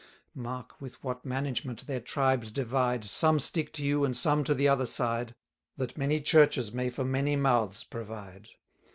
Mark with what management their tribes divide, Some stick to you, and some to the other side, 180 That many churches may for many mouths provide.